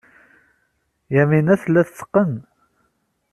Yamina tella tetteqqen.